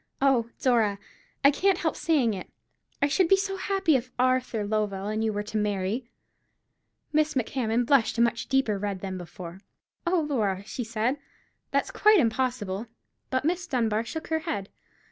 Oh, Dora, I can't help saying it, I should be so happy if Arthur Lovell and you were to marry." Miss Macmahon blushed a much deeper red than before. "Oh, Laura," she said, "that's quite impossible." But Miss Dunbar shook her head.